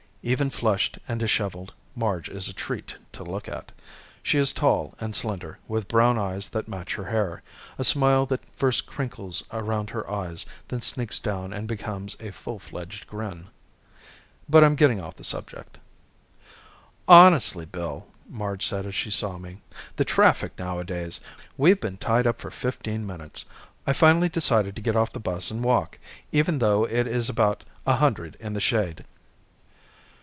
Even flushed and disheveled, Marge is a treat to look at. She is tall and slender, with brown eyes that match her hair, a smile that first crinkles around her eyes, then sneaks down and becomes a full fledged grin But I'm getting off the subject. "Honestly, Bill!" Marge said as she saw me. "The traffic nowadays! We've been tied up for fifteen minutes. I finally decided to get off the bus and walk, even though it is about a hundred in the shade."